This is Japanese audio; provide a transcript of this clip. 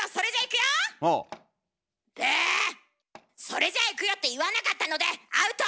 「それじゃいくよ」って言わなかったのでアウト！